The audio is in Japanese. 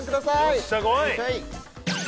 よっしゃこい！